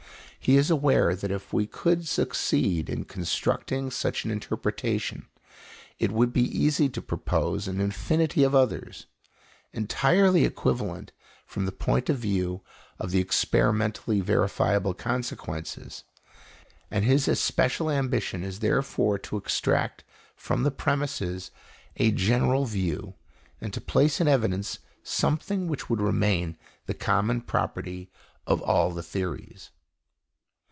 He is aware that if we could succeed in constructing such an interpretation, it would be easy to propose an infinity of others, entirely equivalent from the point of view of the experimentally verifiable consequences; and his especial ambition is therefore to extract from the premises a general view, and to place in evidence something which would remain the common property of all the theories.